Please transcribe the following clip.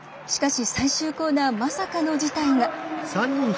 しかし最終コーナーまさかの事態が。